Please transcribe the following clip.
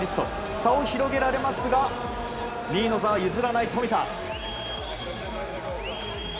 差を広げられますが２位の座は譲らない富田。